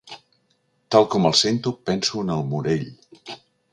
Tal com el sento penso en el Morell.